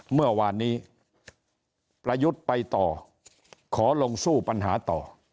เมื่อวานนี้ประยุทธ์ไปต่อขอลงสู้ปัญหาต่อ